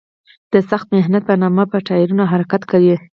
د سخت محنت په نامه په ټایرونو حرکت کوي.